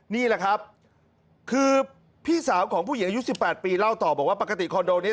นี่แหละครับคือพี่สาวของผู้หญิงอายุ๑๘ปีเล่าต่อบอกว่าปกติคอนโดนี้